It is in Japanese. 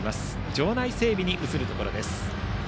場内整備に移るところです。